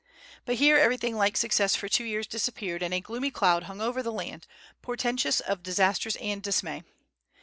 But here everything like success for two years disappeared, and a gloomy cloud hung over the land, portentous of disasters and dismay.